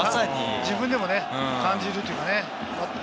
自分でも感じるというね。